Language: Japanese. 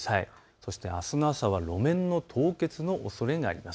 そしてあすの朝は路面の凍結のおそれがあります。